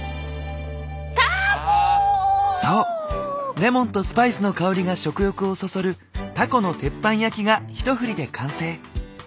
そうレモンとスパイスの香りが食欲をそそるタコの鉄板焼きが一振りで完成。